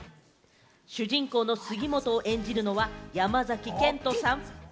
主人公の杉元を演じるのは山崎賢人さん。